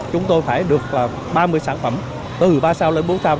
chúng tôi phải được ba mươi sản phẩm từ ba sao lên bốn sao